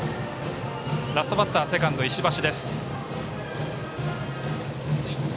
ラストバッターはセカンド石橋。